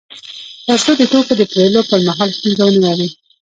تر څو د توکو د پېرلو پر مهال ستونزه ونلري